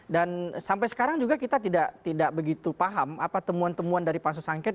dan sampai sekarang juga kita tidak begitu paham apa temuan temuan dari pansus angkat